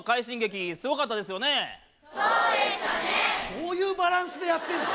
どういうバランスでやってんの？